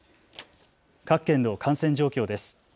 各県の感染状況です。